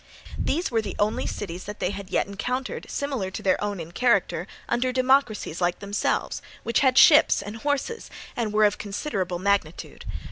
These were the only cities that they had yet encountered, similar to their own in character, under democracies like themselves, which had ships and horses, and were of considerable magnitude.